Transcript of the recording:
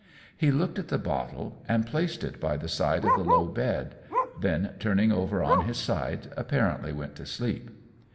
He looked at the bottle and placed it by the side of the low bed, then turning over on his side apparently went to sleep.